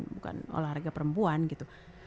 bukan olahraga perempuan gitu